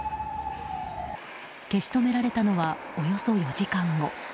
消し止められたのはおよそ４時間後。